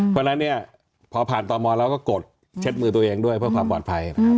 เพราะฉะนั้นเนี่ยพอผ่านตมแล้วก็กดเช็ดมือตัวเองด้วยเพื่อความปลอดภัย